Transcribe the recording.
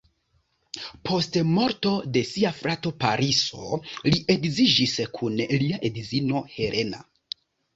Post morto de sia frato Pariso li edziĝis kun lia edzino Helena.